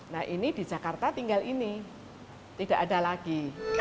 nah ini di jakarta tinggal ini tidak ada lagi